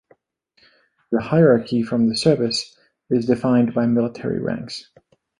The hierarchy from the service is defined by military ranks.